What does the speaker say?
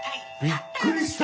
びっくりした！